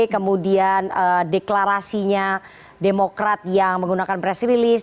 kemudian deklarasinya demokrat yang menggunakan press release